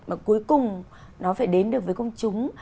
mà cuối cùng nó phải đến được với công chúng